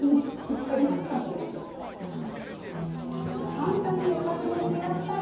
簡単におかずも増やしたい！